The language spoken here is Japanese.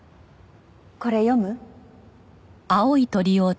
これ読む？